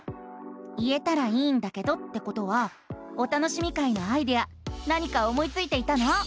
「言えたらいいんだけど」ってことは「お楽しみ会」のアイデア何か思いついていたの？